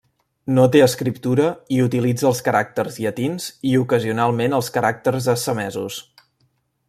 No té escriptura i utilitza els caràcters llatins i ocasionalment els caràcters assamesos.